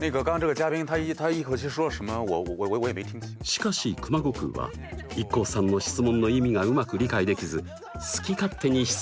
しかし熊悟空はＩＫＫＯさんの質問の意味がうまく理解できず好き勝手に質問します。